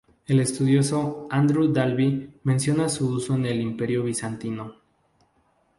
El estudioso "Andrew Dalby" menciona su uso en el Imperio Bizantino.